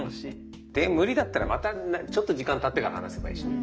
で無理だったらまたちょっと時間たってから話せばいいし。